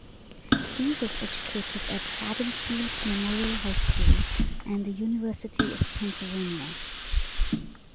He was educated at Haddonfield Memorial High School and the University of Pennsylvania.